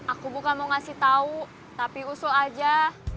aku bukan mau ngasih tau tapi usul aja